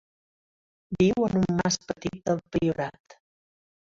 Viu en un mas petit del Priorat.